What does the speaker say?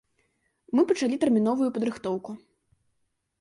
Мы пачалі тэрміновую падрыхтоўку.